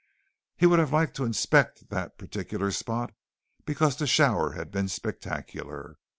He would have liked to inspect that particular spot because the shower had been spectacular.